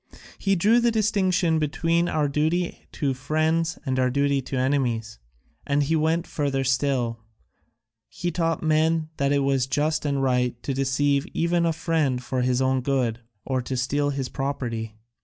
He drew the distinction between our duty to friends and our duty to enemies; and he went further still; he taught men that it was just and right to deceive even a friend for his own good, or steal his property.